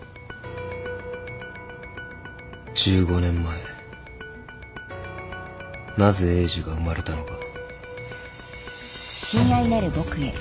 １５年前なぜエイジが生まれたのか。